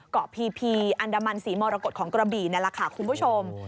พีพีอันดามันศรีมรกฏของกระบี่นั่นแหละค่ะคุณผู้ชม